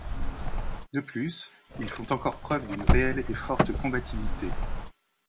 De plus, ils font encore preuve d'une réelle et forte combativité.